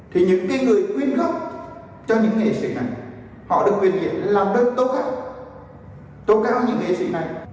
thì những người quyên góp cho những nghệ sĩ này họ được quyên góp làm đơn tốt khác tốt cao những nghệ sĩ này